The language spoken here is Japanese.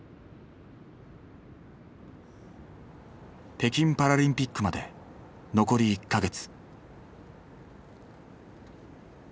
北京パラリンピックまで残り１か月。